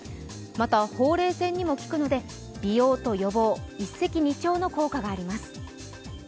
また、ほうれい線にも効くので美容と予防、一石二鳥の効果があります。